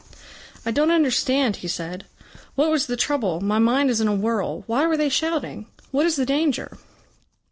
"I don't understand," he said. "What was the trouble? My mind is in a whirl. Why were they shouting? What is the danger?"